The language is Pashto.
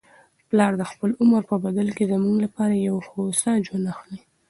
پلار د خپل عمر په بدل کي زموږ لپاره یو هوسا ژوند اخلي.